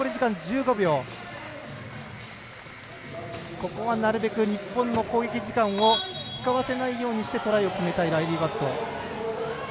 ここはなるべく日本の攻撃時間を使わせないようにしてトライを決めたいライリー・バット。